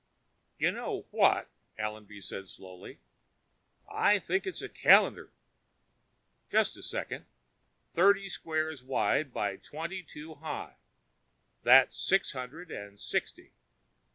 "You know what?" Allenby said slowly. "I think it's a calendar! Just a second thirty squares wide by twenty two high that's six hundred and sixty.